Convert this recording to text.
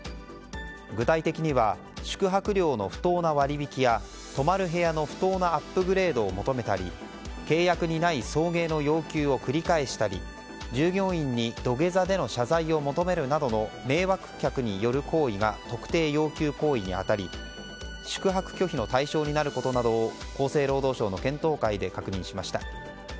具体的には宿泊料の不当な割引や泊まる部屋の不当なアップグレードを求めたり契約にない送迎の要求を繰り返したり従業員に土下座での謝罪を求めるなどの迷惑客による行為が特定要求行為に当たり宿泊拒否の対象になることなどを厚生労働省の検討会で確認しました。